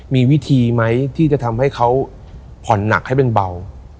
มีวิธีไหมที่จะทำให้เขาผ่อนหนักให้เป็นเบา